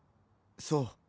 そう。